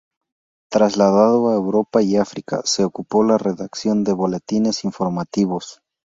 Trasladado a Europa y África, se ocupó de la redacción de boletines informativos.